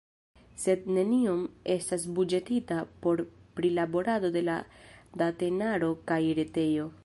Sed neniom estas buĝetita por prilaborado de la datenaro kaj retejo.